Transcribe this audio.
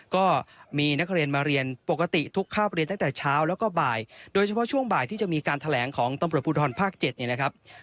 ก็มีนักเรียนมาเรียนปกติทุกคาบเรียนตั้งแต่เช้าแล้วก็บ่ายโดยเฉพาะช่วงบ่ายที่จะมีการแถลงของตำรวจภูทรภาค๗เนี่ยนะครับ